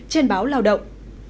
trên báo lao động